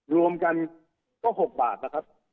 รวมกันก็๖บาทนะครับ